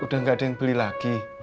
udah gak ada yang beli lagi